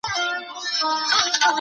ایا دا تجربې دماغي فعالیت تشریح کوي؟